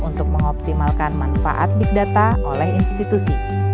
untuk mengoptimalkan manfaat big data oleh institusi